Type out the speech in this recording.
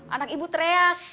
anak ibu teriak